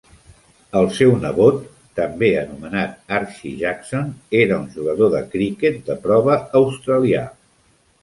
El seu nebot, també anomenat Archie Jackson, era un jugador de criquet de prova australià.